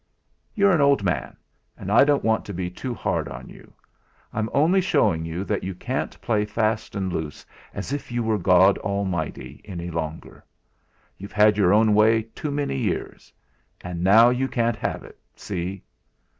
"You're an old man, and I don't want to be too hard on you. I'm only showing you that you can't play fast and loose as if you were God Almighty any longer. You've had your own way too many years. And now you can't have it, see!"